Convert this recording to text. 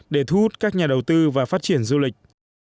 để thu hút các nhà đầu tư và phát triển du lịch